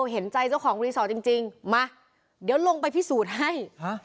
เห็นใจเจ้าของรีสอร์ทจริงมาเดี๋ยวลงไปพิสูจน์ให้